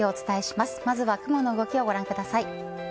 まずは雲の動きをご覧ください。